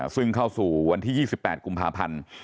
ซึ่งเข้าสู่วันที่๒๘กุมภาพันธ์